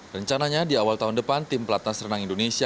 rencananya di awal tahun depan tim pelatih nasional indonesia